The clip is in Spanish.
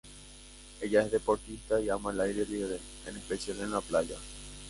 Ella es deportista y ama el aire libre, en especial en la playa.